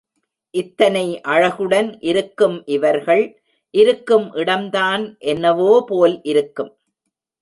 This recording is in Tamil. இத்தனை அழகுடன் இருக்கும் இவர்கள் இருக்கும் இடம்தான் என்னவோ போல் இருக்கும்.